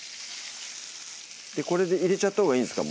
これで入れちゃったほうがいいんですか？